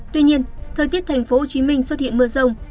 tuy nhiên thời tiết thành phố hồ chí minh xuất hiện mưa rông